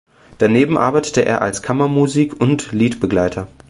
Daneben arbeitete er als Kammermusik- und Liedbegleiter.